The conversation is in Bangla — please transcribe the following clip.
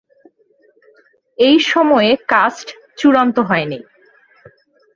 এই সময়ে কাস্ট চূড়ান্ত হয়নি।